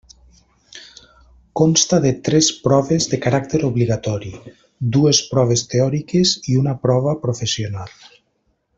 Consta de tres proves de caràcter obligatori, dues proves teòriques i una prova professional.